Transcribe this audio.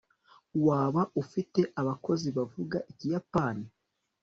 waba ufite abakozi bavuga ikiyapani